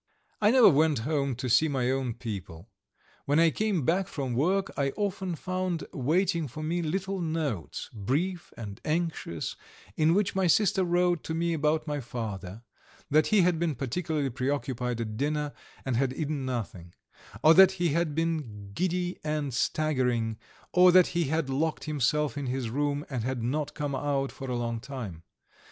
I never went home to see my own people. When I came back from work I often found waiting for me little notes, brief and anxious, in which my sister wrote to me about my father; that he had been particularly preoccupied at dinner and had eaten nothing, or that he had been giddy and staggering, or that he had locked himself in his room and had not come out for a long time.